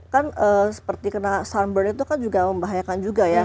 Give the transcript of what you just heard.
kan seperti kena sunburn itu kan juga membahayakan juga ya